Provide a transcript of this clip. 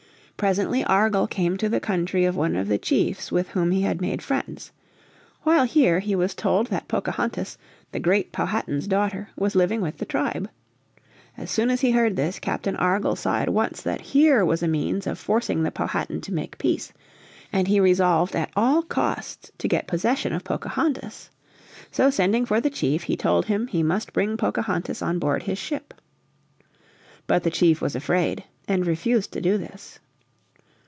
Presently Argall came to the country of one of the chiefs with whom he had made friends. While here he was told that Pocahontas, the great Powhatan's daughter, was living with the tribe. As soon as he heard this Captain Argall saw at once that here was a means of forcing the Powhatan to make peace, and he resolved at all costs to get possession of Pocahontas. So sending for the chief he told him he must bring Pocahontas on board his ship. But the chief was afraid and refused to do this.